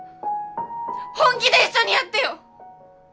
本気で一緒にやってよ！